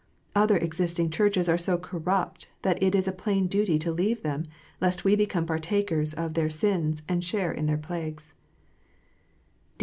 Other existing Churches are so corrupt that it is a plain duty to leave them, lest we become partakers of their sins, and share in their plagues.